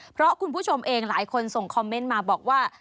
เพราะคุณผู้ชมเองหลายคนส่งคอมเมนต์มาบอกว่า